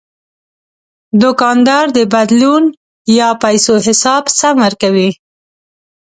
دوکاندار د بدلون یا پیسو حساب سم ورکوي.